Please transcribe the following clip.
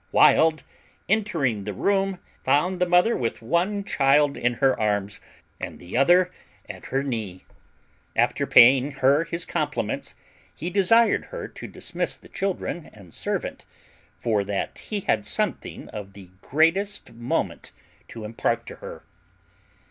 Wild, entering the room, found the mother with one child in her arms, and the other at her knee. After paying her his compliments, he desired her to dismiss the children and servant, for that he had something of the greatest moment to impart to her.